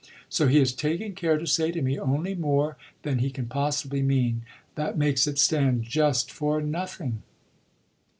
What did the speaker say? So he has taken care to say to me only more than he can possibly mean. That makes it stand just for nothing."